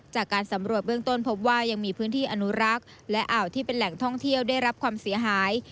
จากการสำรวจเบื้องต้นพบว่ายังมีพื้นที่อนุรักษ์และอ่าวที่เป็นแหล่งท่องเที่ยวได้รับความเสียหาย